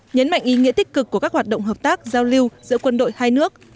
nhấn mạnh ý nghĩa tích cực của các hoạt động hợp tác giao lưu giữa quân đội hai nước